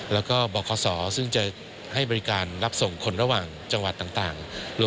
แล้วก็บริการบริการบริการ